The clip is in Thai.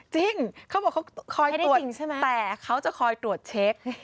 จริงเขาบอกเขาคอยตรวจแต่เขาจะคอยตรวจเช็ค